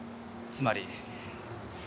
つまり。